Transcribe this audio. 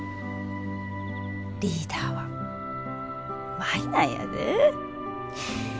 リーダーは舞なんやで。